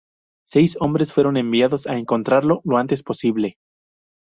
Seis hombres fueron enviados a encontrarlo lo antes posible.